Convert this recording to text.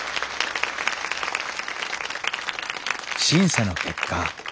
審査の結果